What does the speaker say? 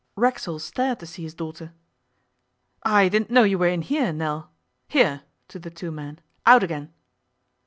Racksole stared to see his daughter. 'I didn't know you were in here, Nell. Here,' to the two men, 'out again.